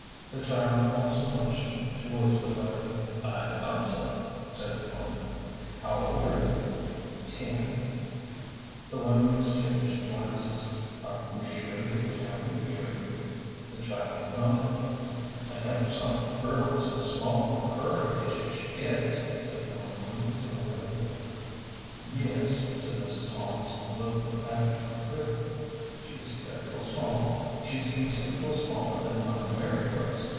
The child also motioned towards the right. " I thought so," said the woman. " How old are you ?" "Ten." 236 A GENTLE GHOST. The women exchanged glances. " Are you sure you're tellin' the truth ?" The child nodded. " I never saw a girl so small for her age if she is," said one woman to another. " Yes," said Mrs. Holmes, looking at her critically ;" she is dreadful small. She's considerable smaller than my Mary was.